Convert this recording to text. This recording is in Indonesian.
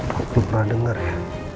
waktu pernah denger ya